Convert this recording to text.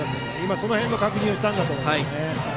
その辺の確認をしたんだと思います。